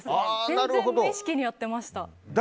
全然無意識にやっていました。